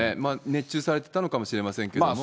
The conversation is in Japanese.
熱中されていたのかもしれませんけども。